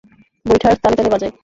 বৈঠার তালে তালে বাজাই।